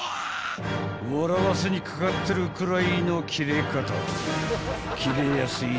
［笑わせにかかってるくらいのキレ方］